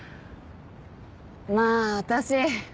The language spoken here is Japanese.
まあ私